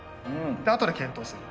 あとで検討する。